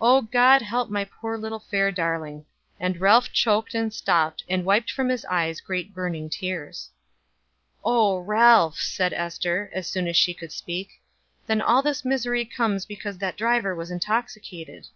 Oh God help my poor little fair darling." And Ralph choked and stopped, and wiped from his eyes great burning tears. "Oh Ralph!" said Ester, as soon as she could speak. "Then all this misery comes because that driver was intoxicated."